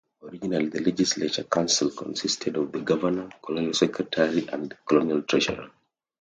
Originally, the Legislative Council consisted of the Governor, Colonial Secretary and Colonial Treasurer.